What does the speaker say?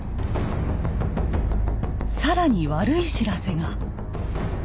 更に悪い知らせが。